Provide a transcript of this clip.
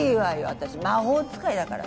私魔法使いだから。